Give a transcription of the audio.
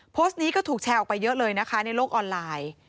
โพสต์นี้ก็ถูกแชร์ออกไปเยอะเลยนะคะในโลกออนไลน์